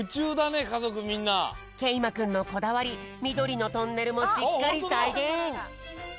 けいまくんのこだわりみどりのトンネルもしっかりさいげん！